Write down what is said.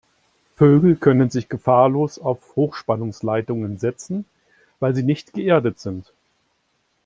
Vögel können sich gefahrlos auf Hochspannungsleitungen setzen, weil sie nicht geerdet sind.